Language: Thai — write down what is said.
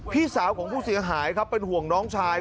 พี่สาวของผู้เสียหายครับเป็นห่วงน้องชาย